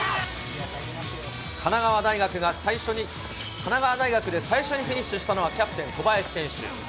神奈川大学で最初にフィニッシュしたのは、キャプテン、小林選手。